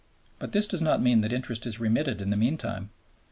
But this does not mean that interest is remitted in the meantime.